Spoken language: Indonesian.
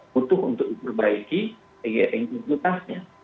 butuh untuk memperbaiki integritasnya